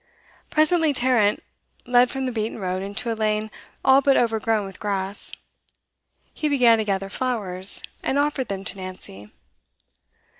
Presently Tarrant led from the beaten road into a lane all but overgrown with grass. He began to gather flowers, and offered them to Nancy.